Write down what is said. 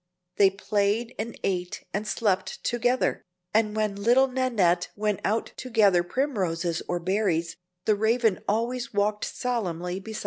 They played and ate and slept together, and when little Nannette went out to gather primroses or berries, the Raven always walked solemnly beside her.